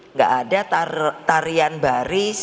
nggak ada tarian baris